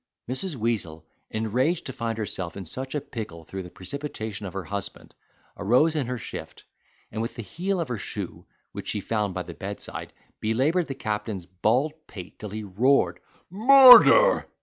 Mrs. Weazel, enraged to find herself in such a pickle through the precipitation of her husband, arose in her shift, and with the heel of her shoe which she found by the bedside, belaboured the captain's bald pate till he roared "Murder."